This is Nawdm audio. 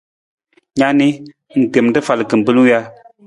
Na ni, ng tem rafal kimbilung ja?